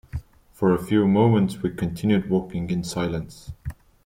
For a few moments, we continued walking in silence.